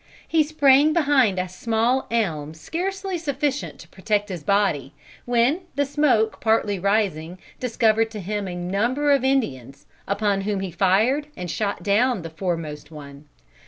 "He sprang behind a small elm scarcely sufficient to protect his body, when, the smoke partly rising, discovered to him a number of Indians, upon whom he fired, and shot down the foremost one.